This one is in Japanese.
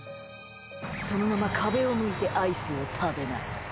そのまま壁を向いてアイスを食べな。